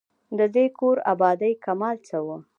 د دې کور آبادۍ کمال څه وو.